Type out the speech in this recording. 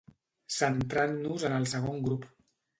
Centrant-nos en el segon grup.